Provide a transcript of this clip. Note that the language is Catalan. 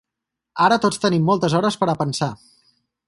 Ara tots tenim moltes hores per a pensar.